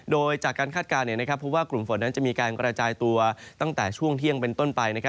โดยจากการคาดการณ์เพราะว่ากลุ่มฝนนั้นจะมีการกระจายตัวตั้งแต่ช่วงเที่ยงเป็นต้นไป